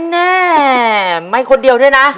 แน่ไม่คนเดียวด้วยนะ